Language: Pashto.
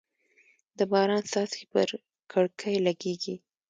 د باران څاڅکي پر کړکۍ لګېږي.